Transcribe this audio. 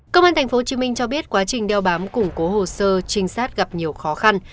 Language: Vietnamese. công an tp hcm cho biết quá trình đeo bám củng cố hồ sơ trinh sát gặp nhiều khó khăn